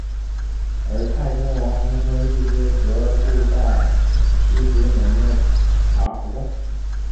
而泰郡王弘春一支则住在西直门内扒儿胡同。